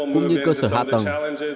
cũng như cơ sở hạ tầng